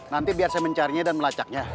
nanti biar saya mencarinya dan melacaknya